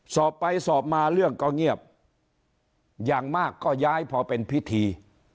สอบไปสอบมาเรื่องก็เงียบอย่างมากก็ย้ายพอเป็นพิธี